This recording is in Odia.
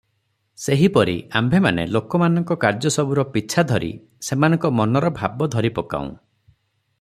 ସେହିପରି ଆମ୍ଭମାନେ ଲୋକମାନଙ୍କ କାର୍ଯ୍ୟସବୁର ପିଛା ଧରି ଧରି ସେମାନଙ୍କ ମନର ଭାବ ଧରିପକାଉଁ ।